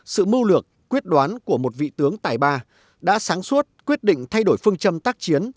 sự mưu lược quyết đoán của một vị tướng tài ba đã sáng suốt quyết định thay đổi phương châm tác chiến